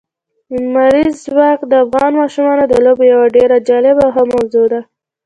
لمریز ځواک د افغان ماشومانو د لوبو یوه ډېره جالبه او ښه موضوع ده.